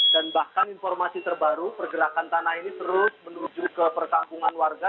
dan bahkan informasi terbaru pergerakan tanah ini terus menuju ke perkampungan warga